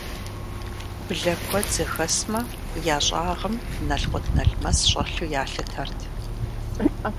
Блэ куэд зэхэсмэ, я щӀагъым налкъут-налмэс щӀэлъу ялъытэрт.